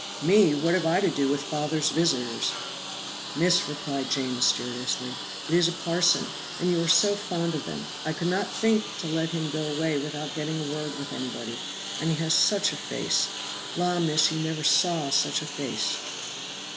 "Me! what have I to do with father's visitors?" "Miss," replied Jane mysteriously, "it is a parson, and you are so fond of them, I could not think to let him go away without getting a word with anybody; and he has such a face. La, miss, you never saw such a face."